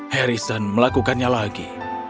harrison melakukannya lagi